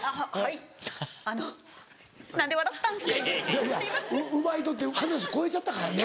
いやいや奪い取って話超えちゃったからね。